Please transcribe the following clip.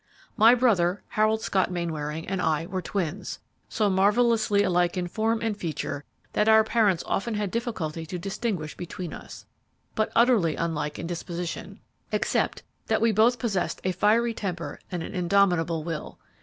"My brother, Harold Scott Mainwaring, and I were twins, so marvelously alike in form and feature that our parents often had difficulty to distinguish between us, but utterly unlike in disposition, except that we both possessed a fiery temper and an indomitable will.